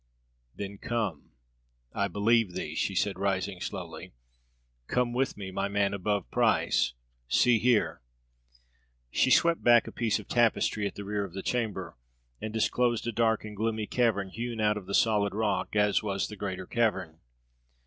"Then come. I believe thee," she said, rising slowly. "Come with me, my man above price. See here." She swept back a piece of tapestry at the rear of the chamber, and disclosed a dark and gloomy cavern, hewn out of the solid rock, as was the greater cavern.